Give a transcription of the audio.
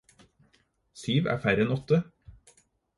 Syv er færre enn åtte.